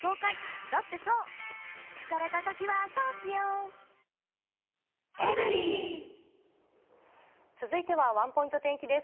ホーユー続いてはワンポイント天気です。